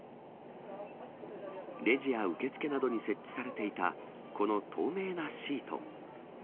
レジや受付などに設置されていたこの透明なシート。